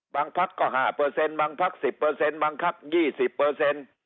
บางพักก็ห้าเปอร์เซ็นต์บางพักสิบเปอร์เซ็นต์บางพักยี่สิบเปอร์เซ็นต์